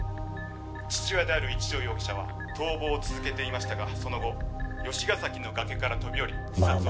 「父親である一条容疑者は逃亡を続けていましたがその後吉ヶ崎の崖から飛び降り」